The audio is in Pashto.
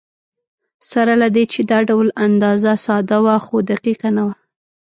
سره له دې چې دا ډول اندازه ساده وه، خو دقیقه نه وه.